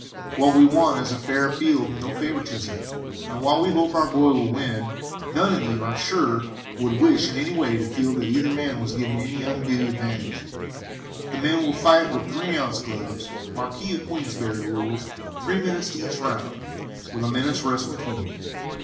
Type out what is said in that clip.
What we want is a fair field and no favoritism, and while we hope our boy will win, none of you, I am sure, would wish in any way to feel that either man was given any undue advantage. The men will fight with 3 oz. gloves, Marquis of Queensbury rules, three minutes to each round, with a minute's rest between.